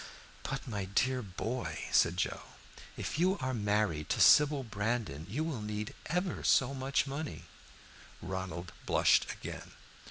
"But, my dear boy," said Joe, "if you are married to Sybil Brandon, you will need ever so much money." Ronald blushed again.